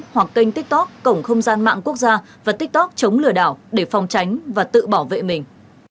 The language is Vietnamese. hoặc kênh tiktok cổng không gian mạng quốc gia và tiktok chống lừa đảo để phòng tránh và tự bảo vệ mình